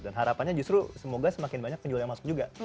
dan harapannya justru semoga semakin banyak penjual yang masuk juga